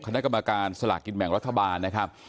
คณะกรรมการสลากกินแบ่งรัฐบาลนะครับ